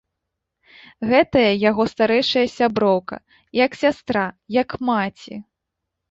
Гэтая яго старэйшая сяброўка, як сястра, як маці!